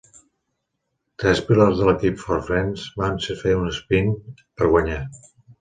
Tres pilots de l'equip Ford-France van fer un esprint per guanyar.